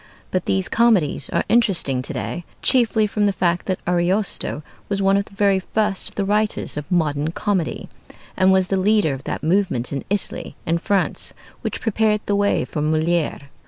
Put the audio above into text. But these comedies are interesting to day chiefly from the fact that Ariosto was one of the very first of the writers of modern comedy, and was the leader of that movement in Italy and France which prepared the way for Molière.